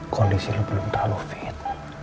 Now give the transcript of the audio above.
kondisi belum terlalu fit